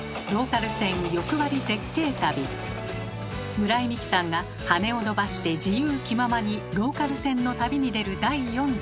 村井美樹さんが羽を伸ばして自由気ままにローカル線の旅に出る第４弾。